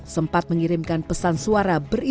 sempat mengirimkan pesan suara berinisial